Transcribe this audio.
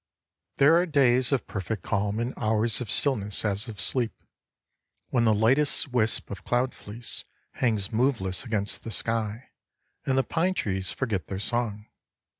There are days of perfect calm and hours of stillness as of sleep, when the lightest wisp of cloud fleece hangs moveless against the sky and the pine trees forget their song.